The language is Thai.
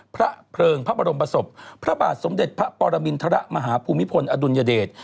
พระเพลิงพระบรมศพพระบาทสมเด็จพระปรมินทรมาฮภูมิพลอดุลยเดช